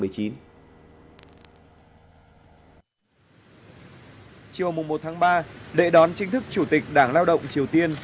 chiều một ba lễ đón chính thức chủ tịch đảng lao động triều tiên